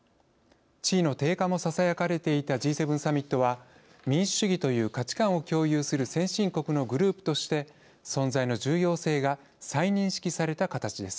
地位の低下もささやかれていたＧ７サミットは民主主義という価値観を共有する先進国のグループとして存在の重要性が再認識された形です。